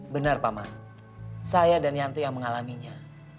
benar paman saya dan yantu yang mengalaminya